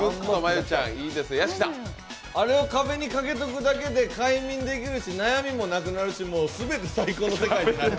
あれを壁にかけておくだけで快眠できるし、悩みもなくなるし、すべて最高の世界になる。